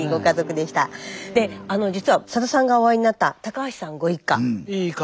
で実はさださんがお会いになった橋さんご一家。